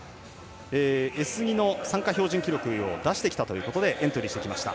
Ｓ２の参加標準記録を出してきたということでエントリーしてきました。